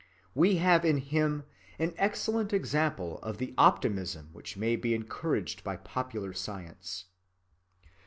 We have in him an excellent example of the optimism which may be encouraged by popular science.